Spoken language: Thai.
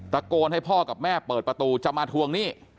ตะโกนให้พ่อกับแม่เปิดประตูจะมาทวงหนี้